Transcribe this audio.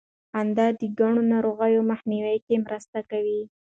خندا د ګڼو ناروغیو مخنیوي کې مرسته کوي.